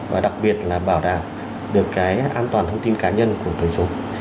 và đặc biệt là bảo đảm được cái an toàn thông tin cá nhân của người dùng